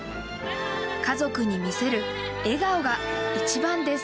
家族に見せる笑顔が一番です。